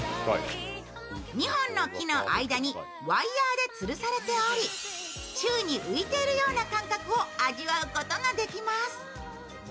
２本の木の間にワイヤーでつるされており、宙に浮いているような感覚を味わうことができます。